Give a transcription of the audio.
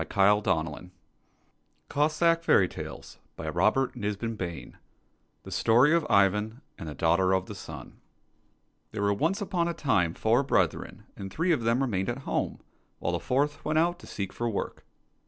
i8o THE STORY OF IVAN AND THE DAUGHTER OF THE SUN THE STORY OF IVAN AND THE DAUGHTER OF THE SUN THERE were once upon a time four brethren, and three of them remained at home, while the fourth went out to seek for work.